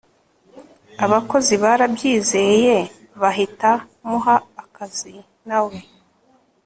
abakozi barabyizeye bahita muha akazi nawe